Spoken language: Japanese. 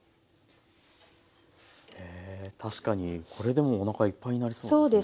確かにこれでもうおなかいっぱいになりそうですね。